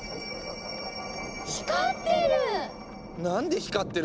光ってる！